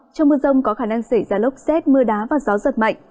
trong mưa rông có khả năng xảy ra lốc xét mưa đá và gió giật mạnh